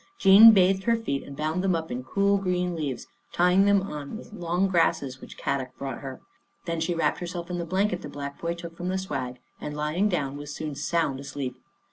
Jean bathed her feet and bound them up in cool green leaves, tying them on with long grasses which Kadok brought her. Then she wrapped herself in the blanket the black boy took from the swag and, lying down, was soon sound asleep.